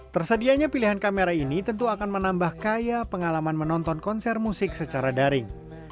tersedianya pilihan kamera ini tentu akan menambah kaya pengalaman menonton konser musik secara daring